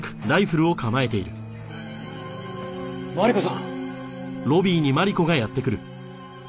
マリコさん！